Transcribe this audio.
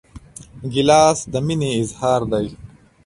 ګیلاس د مینې اظهار دی.